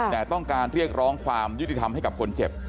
แต่ต้องการเรียกร้องความยุติธรรมให้กับคนเจ็บ